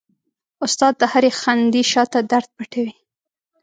استاد د هرې خندې شاته درد پټوي.